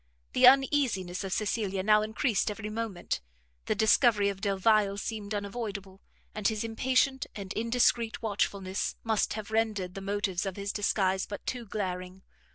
The uneasiness of Cecilia now encreased every moment; the discovery of Delvile seemed unavoidable, and his impatient and indiscreet watchfulness must have rendered the motives of his disguise but too glaring.